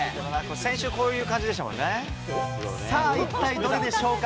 先週、こういう感じでしたもさあ、一体どれでしょうか。